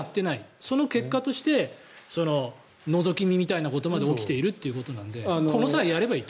その結果としてのぞき見みたいなことまで起きているということなのでこの際やればいいと。